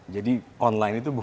jadi online itu bukan